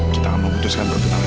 kita akan memutuskan perpunangan ini